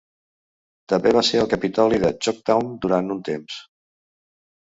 També va ser el capitoli de Choctaw durant un temps.